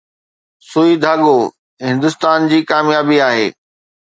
’سوئي ڌاڳو‘ هندستان جي ڪاميابي آهي